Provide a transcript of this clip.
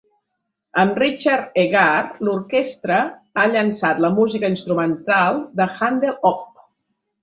Amb Richard Egarr, l'orquestra ha llançat la música instrumental de Handel Opp.